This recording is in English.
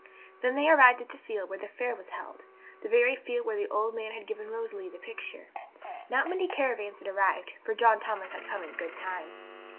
Then they arrived at the field where the fair was held; the very field where the old man had given Rosalie the picture. Not many caravans had arrived, for John Thomas had come in good time.